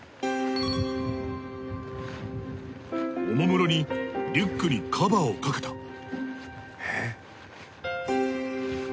おもむろにリュックにカバーをかけた。